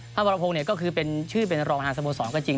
พระบรพงธ์เนี่ยก็คือชื่อเป็นรองทางสะโบสอนก็จริง